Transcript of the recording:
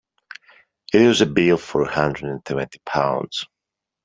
It was a bill for a hundred and twenty pounds.